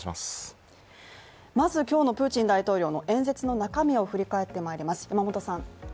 まず、今日のプーチン大統領の演説の中身を振り返ってまいります。